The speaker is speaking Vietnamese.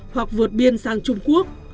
hoặc vượt biên sang trung quốc